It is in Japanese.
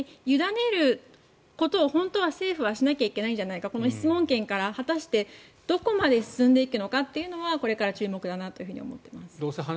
委ねることを本当は政府はしなきゃいけないんじゃないかこの質問権から果たしてどこまで進んでいくのかっていうのはこれから注目だと思います。